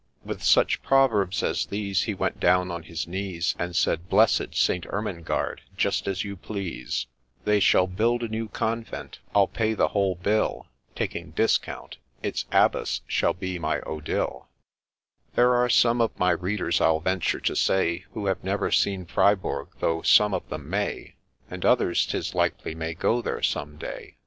With such proverbs as these He went down on his knees And said, ' Blessed St. Ermengarde, just as you please — They shall build a new convent, — I'll pay the whole bill, (Taking discount,) — its Abbess shall be my Odille 1 ' There are some of my readers, I'll venture to say, Who have never seen Freiburg, though some of them may, And others 'tis likely may go there some day.